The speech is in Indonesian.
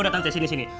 udah tante sini sini